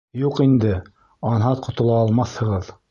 Юҡ инде, анһат ҡотола алмаҫһығыҙ!